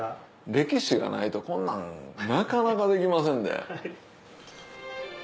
歴史がないとこんなんなかなかできませんで。